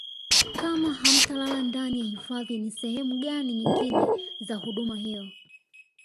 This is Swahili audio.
kama hamtalala ndani ya hifadhi ni sehemu gani nyinginezo za huduma hiyo